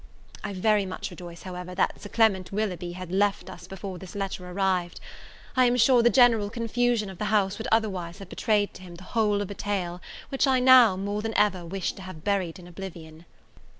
I very much rejoice, however, that Sir Clement Willoughby had left us before this letter arrived. I am sure the general confusion of the house would otherwise have betrayed to him the whole of a tale which I now, more than ever, wish to have buried in oblivion.